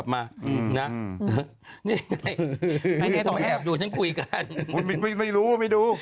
ไม่รู้